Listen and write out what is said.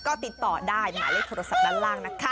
ก็ติดต่อได้หมายเลขโทรศัพท์ด้านล่างนะคะ